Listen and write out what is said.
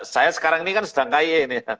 saya sekarang ini kan sedang kie ini